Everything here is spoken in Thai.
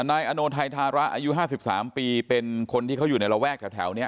นายอโนไทยทาระอายุห้าสิบสามปีเป็นคนที่เขาอยู่ในระแวกแถวเนี้ย